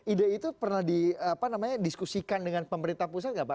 ide itu pernah didiskusikan dengan pemerintah pusat nggak pak